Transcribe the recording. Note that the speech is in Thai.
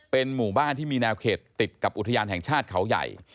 เป็นหมู่บ้านที่มีแนวเขตติดกับอุทยานแห่งชาติเขาใหญ่